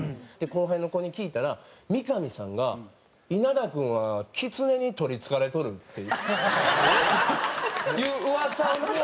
後輩の子に聞いたら三上さんが「稲田君はキツネに取りつかれとる」って。いう噂を。